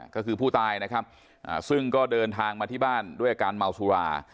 ก็คือผู้ตายนะครับซึ่งก็เดินทางมาที่บ้านด้วยอาการเมาสุรา